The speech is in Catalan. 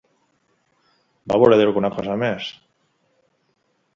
Va voler dir alguna cosa més?